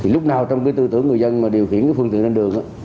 lúc nào trong tư tưởng người dân điều khiển phương tiện lên đường